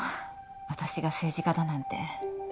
私が政治家だなんて。